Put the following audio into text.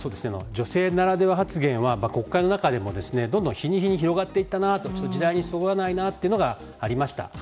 女性ならでは発言は国会の中でも日に日に広がっていって時代にそぐわないというのはありました。